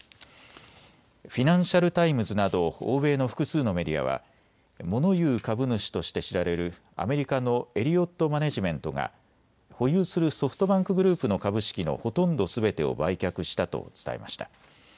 フィナンシャル・タイムズなど欧米の複数のメディアはモノ言う株主として知られるアメリカのエリオット・マネジメントが保有するソフトバンクグループの株式のほとんどすべてを売却したと伝えました。